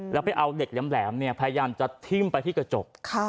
แล้วไปเอาเหล็กแหลมพยายามจะทิ้มไปที่กระจก